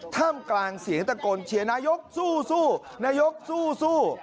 ท่ามกลางเสียงตะโกนเชียร์นายกสู้นายกสู้